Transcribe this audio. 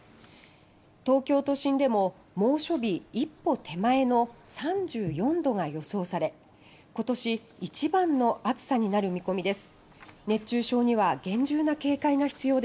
東京都心でも猛暑日一歩手前の３４度が予想され今年一番の暑さになる見込みです。